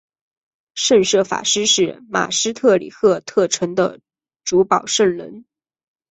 圣瑟法斯是马斯特里赫特城的主保圣人。